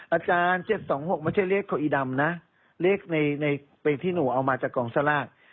อาจารย์เจ็ดสองหกมันไม่ใช่เลขของอีดำนะเลขในในเป็นที่หนูเอามาจากกองสร้าง